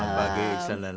selamat pagi ihsan dan ran